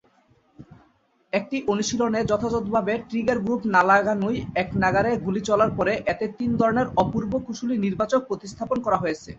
একটি অনুশীলনে যথাযথভাবে ট্রিগার গ্রুপ না লাগানোয় একনাগাড়ে গুলি চলার পরে এতে তিন ধরনের অপূর্ব কুশলী নির্বাচক প্রতিস্থাপন করা হয়েছে।